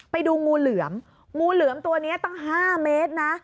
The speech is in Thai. ไปดูงูเหลือมงูเหลือมตัวนี้ตั้ง๕เมตรนะ